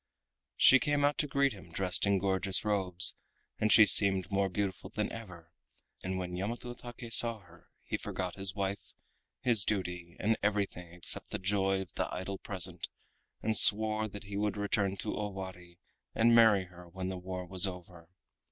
She came out to greet him dressed in gorgeous robes, and she seemed more beautiful than ever, and when Yamato Take saw her he forgot his wife, his duty, and everything except the joy of the idle present, and swore that he would return to Owari and marry her when the war was over.